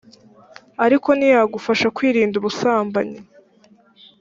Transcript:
ariko ntiyagufasha kwirinda ubusambanyi